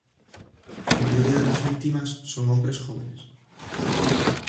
La mayoría de las víctimas son hombres jóvenes.